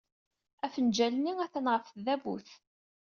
Afenjal-nni atan ɣef tdabut.